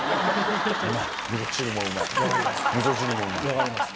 分かります。